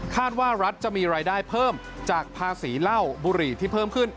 ว่ารัฐจะมีรายได้เพิ่มจากภาษีเหล้าบุหรี่ที่เพิ่มขึ้น